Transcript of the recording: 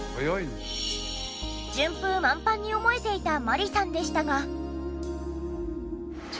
順風満帆に思えていた万里さんでしたが。